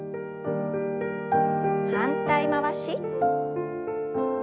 反対回し。